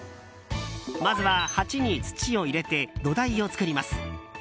まず、鉢に土を入れて土台を作ります。